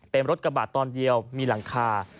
เป็นรถกระบาดตอนเดียวมีหลังคา